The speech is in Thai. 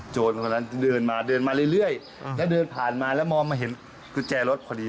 คนนั้นเดินมาเดินมาเรื่อยแล้วเดินผ่านมาแล้วมองมาเห็นกุญแจรถพอดี